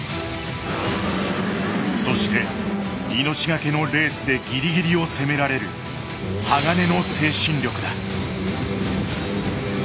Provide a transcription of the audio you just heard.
そして命懸けのレースでギリギリを攻められる鋼の精神力だ。